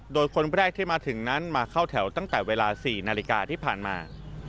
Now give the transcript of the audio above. โดยคนแรกที่มาถึงนั้นมาเข้าแถวตั้งแต่เวลา๔นาฬิกาที่ผ่านมา